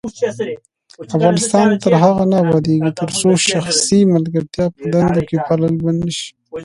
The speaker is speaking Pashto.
افغانستان تر هغو نه ابادیږي، ترڅو شخصي ملګرتیا په دندو کې پالل بند نشي.